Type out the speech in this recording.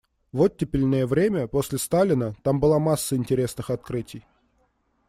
В оттепельное время, после Сталина – там была масса интересных открытий.